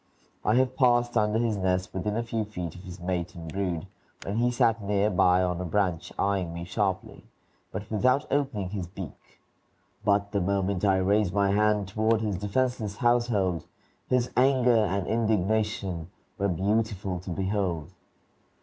I have passed under his nest within a few feet of his mate and brood, when he sat near by on a branch eying me sharply, but without opening his beak; but the moment I raised my hand toward his defenseless household his anger and indignation were beautiful to behold.